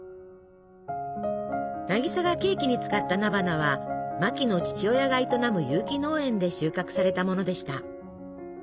渚がケーキに使った菜花はマキの父親が営む有機農園で収穫されたものでした。